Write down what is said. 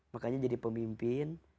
makanya jadi pemimpin